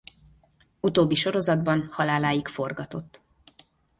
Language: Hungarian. Utóbbi sorozatban haláláig forgatott.